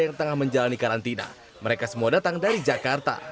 jadi mengikuti peraturan dari fdk